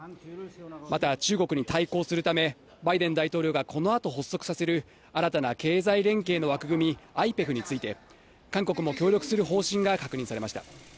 また、中国に対抗するため、バイデン大統領がこのあと発足させる新たな経済連携の枠組み、ＩＰＥＦについて、韓国も協力する方針が確認されました。